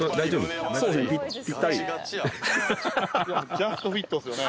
ジャストフィットですよね。